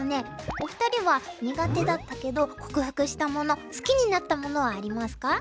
お二人は苦手だったけど克服したもの好きになったものはありますか？